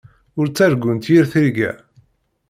Ur ttargunt yir tirga.